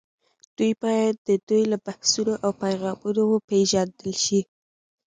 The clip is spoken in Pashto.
دوی باید د دوی له بحثونو او پیغامونو وپېژندل شي